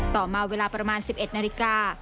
ต่อมาเวลาประมาณ๑๑นาฬิกา